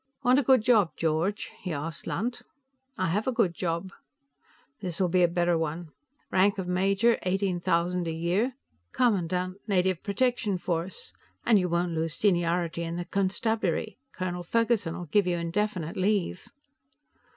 "Want a good job, George?" he asked Lunt. "I have a good job." "This'll be a better one. Rank of major, eighteen thousand a year. Commandant, Native Protection Force. And you won't lose seniority in the constabulary; Colonel Ferguson'll give you indefinite leave."